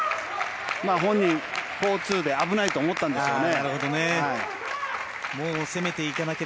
本人４−２で危ないと思ったんでしょうね。